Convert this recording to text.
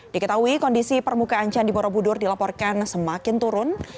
diketahui kondisi permukaan candi borobudur dilaporkan semakin turun